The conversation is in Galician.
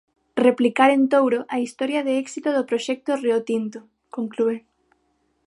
"Replicar en Touro a historia de éxito do Proxecto Riotinto", conclúe.